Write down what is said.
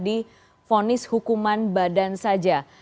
di ponis hukuman badan saja